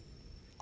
あ！